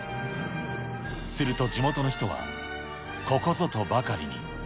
すると地元の人は、ここぞとばかりに。